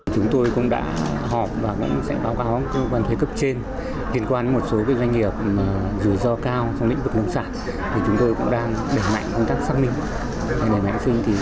chúng tôi cũng đã họp và cũng sẽ báo cáo cơ quan thuế cấp trên liên quan đến một số doanh nghiệp rủi ro cao trong lĩnh vực nông sản thì chúng tôi cũng đang đẩy mạnh công tác xác minh